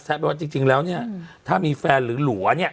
แทบว่าจริงแล้วถ้ามีแฟนหรือหลัว